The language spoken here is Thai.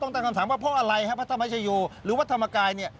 ต้องตั้งคำถามว่าเพราะอะไรพระธรรมชายูหรือวัฒนธรรมกาย